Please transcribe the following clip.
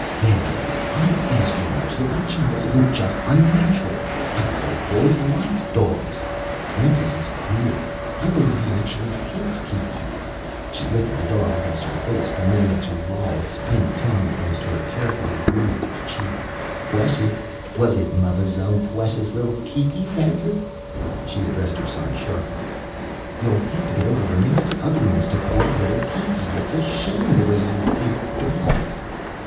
"There! I ask you, nurse, if that child isn't just unnatural. I thought boys liked dogs. Francis is queer. I believe he actually hates Kiki." She lifted the dog against her face, permitting it to loll its pink tongue against her carefully rouged cheek. "Pwecious ... Was it muvver's own pwecious ikkle Kiki? Francis," she addressed her son sharply, "you'll have to get over your nasty ugliness to poor little Kiki. It's a shame, the way you hate dogs!"